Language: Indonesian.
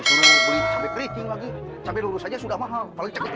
disuruh beli sampai keriting lagi sampai lulus aja sudah mahal paling cekut itu